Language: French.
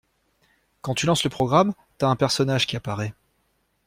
Quand tu lances le programme, t'as un personnage qui apparaît.